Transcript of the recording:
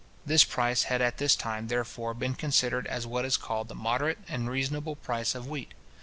This price had at this time, therefore, been considered as what is called the moderate and reasonable price of wheat.